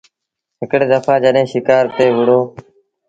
هڪڙي دڦآ جڏهيݩ شڪآر تي وهُڙو ۔